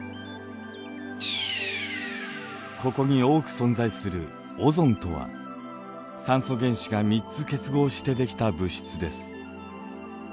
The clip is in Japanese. ここに多く存在するオゾンとは酸素原子が３つ結合して出来た物質です。